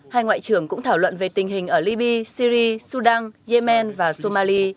hai ngoại trưởng cũng thảo luận về tình hình ở libya syri sudan yemen và somali